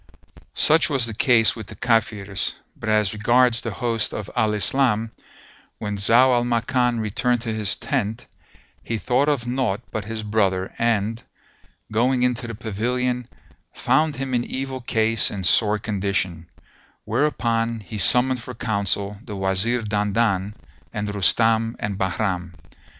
Such was the case with the Kafirs; but as regards the host of Al Islam, when Zau al Makan returned to his tent, he thought of naught but his brother and, going into the pavilion, found him in evil case and sore condition; whereupon he summoned for counsel the Wazir Dandan and Rustam and Bahram.